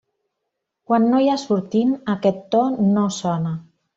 Quan no hi ha sortint, aquest to no sona.